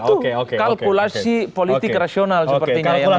itu kalkulasi politik rasional sepertinya yang menjadi ukuran